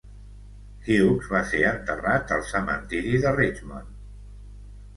Hughes va ser enterrat al cementiri de Richmond.